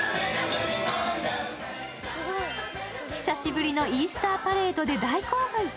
久しぶりのイースターパレードで大興奮。